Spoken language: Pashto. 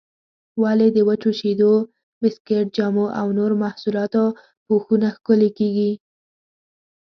ولې د وچو شیدو، بسکېټ، جامو او نورو محصولاتو پوښونه ښکلي کېږي؟